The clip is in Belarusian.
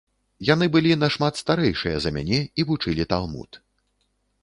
Яны былі нашмат старэйшыя за мяне і вучылі талмуд.